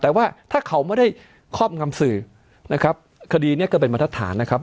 แต่ว่าถ้าเขาไม่ได้ครอบงำสื่อนะครับคดีนี้ก็เป็นมาตรฐานนะครับ